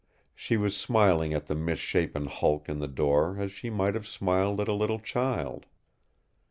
She was smiling at the misshapen hulk in the door as she might have smiled at a little child.